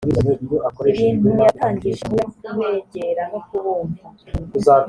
ibuntu yatangije gahunda yo kubegera no kubumva